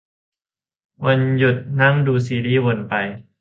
วันหยุดนั่งดูซีรีย์วนไป